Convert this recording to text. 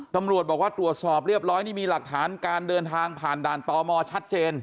ตำรวจบอกว่าตรวจสอบเรียบร้อยนี่มีหลักฐานการเดินทางผ่านด่านตมชัดเจน